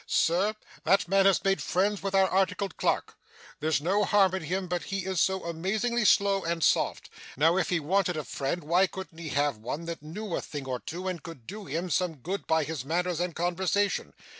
Sir, that man has made friends with our articled clerk. There's no harm in him, but he is so amazingly slow and soft. Now, if he wanted a friend, why couldn't he have one that knew a thing or two, and could do him some good by his manners and conversation.